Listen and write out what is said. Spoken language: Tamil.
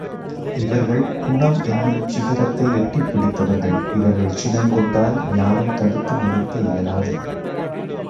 இவர்கள் குணம் என்னும் சிகரத்தை எட்டிப் பிடித்தவர்கள் இவர்கள் சினம் கொண்டால் யாரும் தடுத்து நிறுத்த இயலாது.